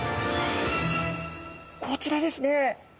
こちらですね！